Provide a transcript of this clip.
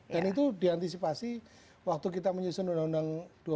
dan itu diantisipasi waktu kita menyusun undang undang dua belas dua ribu enam